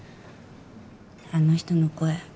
あの人の声